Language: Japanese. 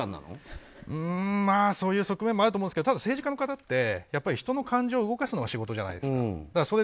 うーん、そういう側面もあると思いますけどやっぱり政治家の方って人の感情を動かすのが仕事じゃないですか。